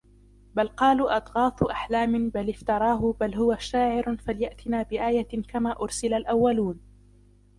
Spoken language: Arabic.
بَلْ قَالُوا أَضْغَاثُ أَحْلَامٍ بَلِ افْتَرَاهُ بَلْ هُوَ شَاعِرٌ فَلْيَأْتِنَا بِآيَةٍ كَمَا أُرْسِلَ الْأَوَّلُونَ